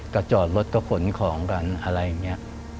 ก็จอดรถก็ขนของกันอะไรอย่างนี้